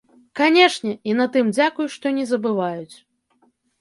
Канешне, і на тым дзякуй, што не забываюць.